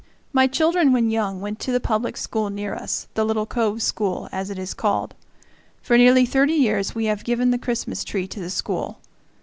My children, when young, went to the public school near us, the little Cove School, as it is called. For nearly thirty years we have given the Christmas tree to the school.